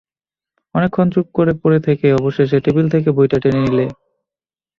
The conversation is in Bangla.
অনেকক্ষণ চুপ করে পড়ে থেকে অবশেষে টেবিল থেকে বইটা টেনে নিলে।